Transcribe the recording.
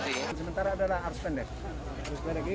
sementara adalah arus pendek